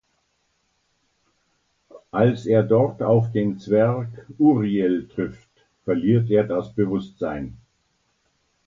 Als er dort auf den Zwerg Uriel trifft, verliert er das Bewusstsein.